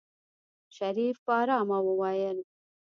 شريف په آرامه وويل.